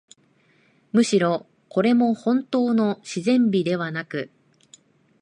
むしろ、これもほんとうの自然美ではなく、